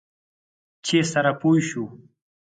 چې سره پوه شو.